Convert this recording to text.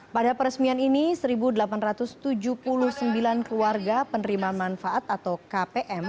pada peresmian ini satu delapan ratus tujuh puluh sembilan keluarga penerima manfaat atau kpm